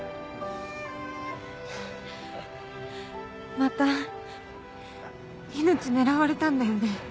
また命狙われたんだよね？